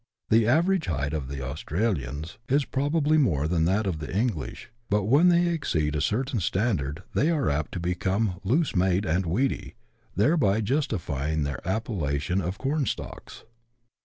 The average height of the Australians is probably more than that of the English, but when they exceed a certain standard they are apt to become loose made and weedy, thereby justifying their appellation of " cornstalks."